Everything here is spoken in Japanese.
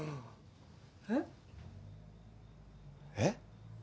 えっ？えっ？